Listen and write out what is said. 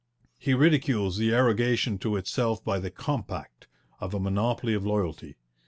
He ridicules the arrogation to itself by the 'Compact' of a monopoly of loyalty.